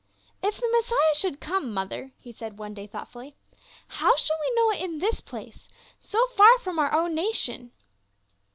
" If the Messiah should come, mother," he said one 304 PA UL. day thoughtfully, " how shall we know it in this place, so far from our own nation